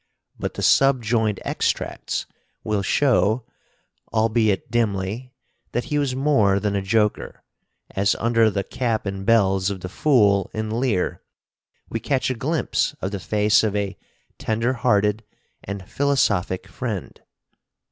But the subjoined extracts will show, albeit dimly, that he was more than a joker, as under the cap and bells of the fool in Lear we catch a glimpse of the face of a tender hearted and philosophic friend.